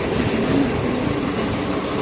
زما ملګری ښه ده